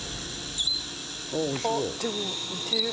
あっでも似てる。